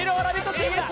チームだ！